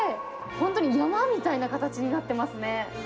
本当に山みたいな形になってますね。